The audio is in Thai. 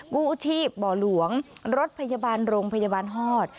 กู้ชีพบ่อหลวงรถพยาบาลโรงพยาบาลฮอด